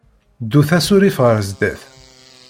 Ddut asurif ɣer sdat.